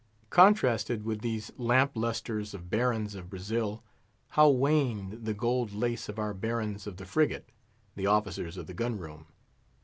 Contrasted with these lamp lustres of Barons of Brazil, how waned the gold lace of our barons of the frigate, the officers of the gun room!